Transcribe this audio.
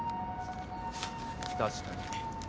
確かに。